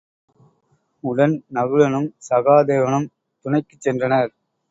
உடன் நகுலனும் சகாதேவனும் துணைக்குச் சென்றனர்.